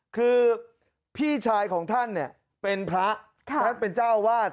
คือพี่ชายของท่านเนี่ยเป็นพระท่านเป็นเจ้าอาวาส